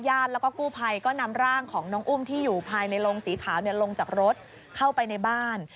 แล้วก็กู้ภัยก็นำร่างของน้องอุ้มที่อยู่ภายในโรงสีขาวลงจากรถเข้าไปในบ้าน